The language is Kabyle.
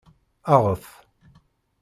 Aɣet!